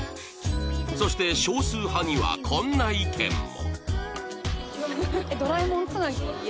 そして少数派にはこんな意見も